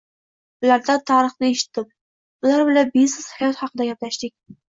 Ulardan tarixni eshitdim, ular bilan biznes, hayot haqida gaplashdik.